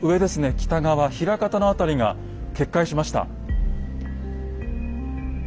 北側枚方の辺りが決壊しました。